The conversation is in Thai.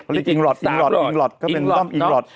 จริงจริงรอดอิงรอดอิงรอด